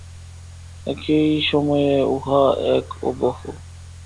একই সময়ে উহা এক ও বহু।